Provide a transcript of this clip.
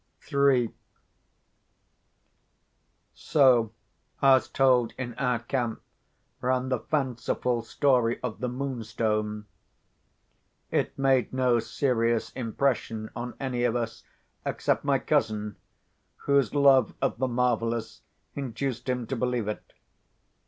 III So, as told in our camp, ran the fanciful story of the Moonstone. It made no serious impression on any of us except my cousin—whose love of the marvellous induced him to believe it.